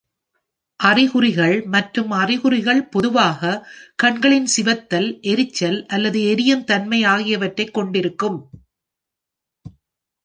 அறிகுறிகள் மற்றும் அறிகுறிகள் பொதுவாக கண்களின் சிவத்தல், எரிச்சல் அல்லது எரியும் தன்மை ஆகியவற்றைக் கொண்டிருக்கும்.